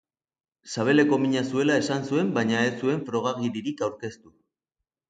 Sabeleko mina zuela esan zuen baina ez zuen frogagiririk aurkeztu.